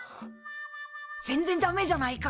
全然ダメじゃないか。